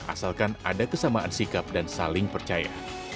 asalkan ada kesamaan sikap dan saling percaya